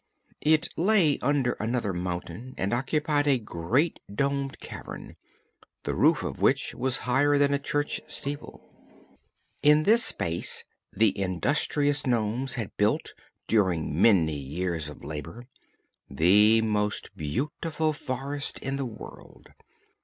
It lay under another mountain and occupied a great domed cavern, the roof of which was higher than a church steeple. In this space the industrious nomes had built, during many years of labor, the most beautiful forest in the world.